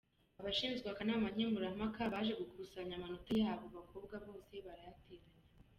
Abashinzwe akanama nkemurampaka baje gukusanya amanota y’abo bakobwa bose barayateranya.